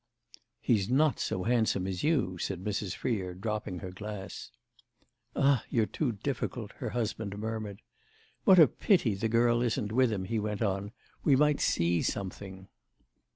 "He's not so handsome as you," said Mrs. Freer, dropping her glass. "Ah, you're too difficult!" her husband murmured. "What a pity the girl isn't with him," he went on. "We might see something."